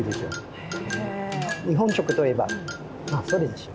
日本食といえばまあそれでしょ。